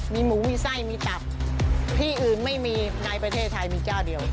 ไม่ได้บ้าง